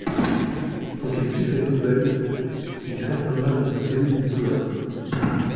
Quand il sut cette nouvelle, il s’enferma dans sa cellule du cloître.